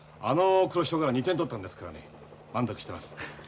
あの黒潮から２点取ったんですからね満足してます。